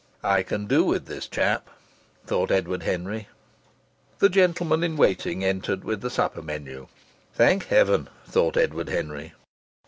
"I can do with this chap," thought Edward Henry. The gentleman in waiting entered with the supper menu. "Thank heaven!" thought Edward Henry.